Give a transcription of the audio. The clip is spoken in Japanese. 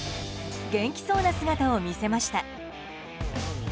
元気そうな姿を見せました。